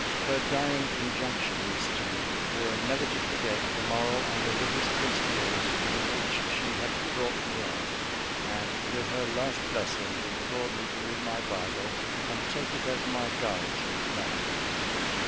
Her dying injunctions to me were never to forget the moral and religious principles in which she had brought me up; and, with her last blessing, implored me to read my Bible, and take it as my guide through life.